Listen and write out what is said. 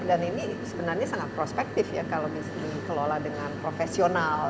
dan ini sebenarnya sangat prospektif ya kalau bisa dikelola dengan profesional